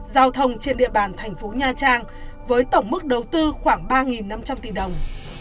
giao thông trên địa bàn thành phố nha trang với tổng mức đầu tư khoảng ba năm trăm linh tỷ đồng